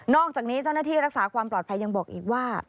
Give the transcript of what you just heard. อกจากนี้เจ้าหน้าที่รักษาความปลอดภัยยังบอกอีกว่า